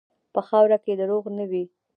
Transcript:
په خاوره کې دروغ نه وي.